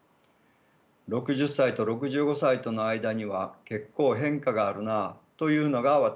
６０歳と６５歳との間には結構変化があるなあというのが私の実感でした。